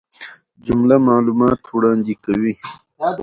جمله معلومات وړاندي کوي.